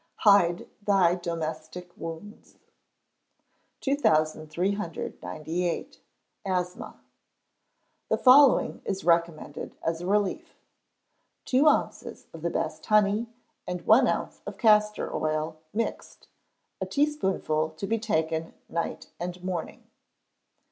[HIDE THY DOMESTIC WOUNDS.] 2398. Asthma. The following is recommended as a relief: Two ounces of the best honey, and one ounce of castor oil, mixed. A teaspoonful to be taken night and morning.